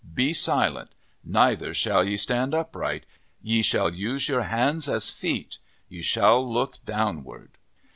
Be silent. Neither shall ye stand upright. Ye shall use your hands as feet. Ye shall look downward."